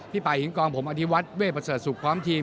พี่ป่าหิงกองผมอธิวัติเวทย์ประเสริฐสุขความทีม